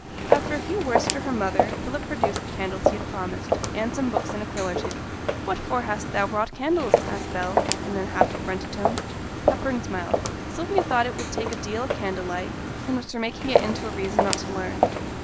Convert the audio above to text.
After a few words to her mother, Philip produced the candles he had promised, and some books and a quill or two. 'What for hast thou brought candles?' asked Bell, in a half affronted tone. Hepburn smiled. 'Sylvia thought it would take a deal of candlelight, and was for making it into a reason not to learn.